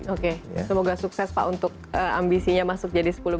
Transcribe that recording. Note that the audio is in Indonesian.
oke semoga sukses pak untuk ambisi nya masuk jadi sepuluh besar